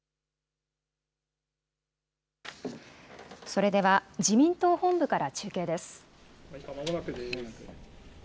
それでは、自民党本部から中継です。